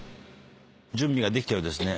準備ができたようですね。